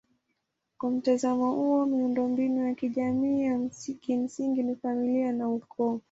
Kwa mtazamo huo miundombinu ya kijamii ya kimsingi ni familia na ukoo.